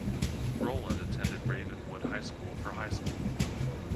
Rowland attended Ravenwood High School for high school.